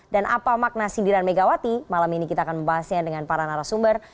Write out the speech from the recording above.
dan apa makna sindiran megawati malam ini kita akan membahasnya dengan para narasumber